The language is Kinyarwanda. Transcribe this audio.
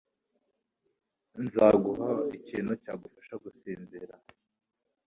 Nzaguha ikintu cyagufasha gusinzira.